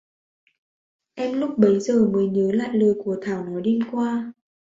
Em lúc bấy giờ mới nhớ lại lời của Thảo nói đêm qua